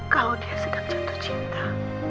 kalau dia sedang jatuh cinta